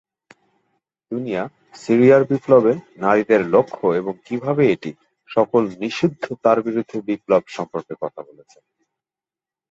দুনিয়া সিরিয়ার বিপ্লবে নারীদের লক্ষ্য এবং কিভাবে এটি "সকল নিষিদ্ধ তার বিরুদ্ধে বিপ্লব" সম্পর্কে কথা বলেছেন।